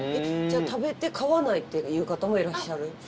食べて買わないっていう方もいらっしゃる？